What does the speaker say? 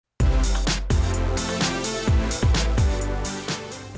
มันรออยู่มีทางต่าง